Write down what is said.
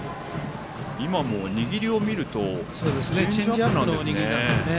今も握りを見るとチェンジアップですね。